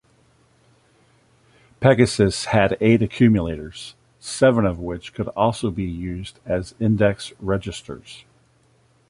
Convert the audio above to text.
Pegasus had eight accumulators, seven of which could also be used as index registers.